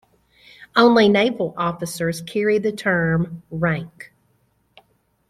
Only Naval Officers carry the term "rank".